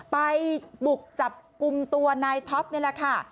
ไปบุกจับกลุ่มตัวนายท็อปนี่แหละค่ะ